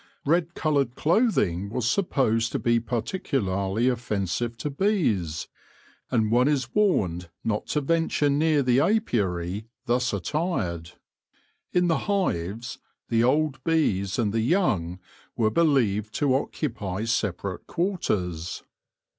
Red coloured cloth ing was supposed to be particularly offensive to bees, and one is warned not to venture near the apiary thus attired. In the hives the old bees and the young were believed to occupy separate quarters.